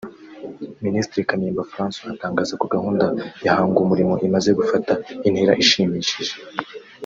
Minisitiri Kanimba Francois atangaza ko Gahunda ya Hangumurimo imaze gufata intera ishimishije